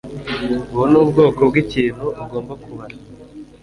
ubu ni ubwoko bwikintu ugomba kubara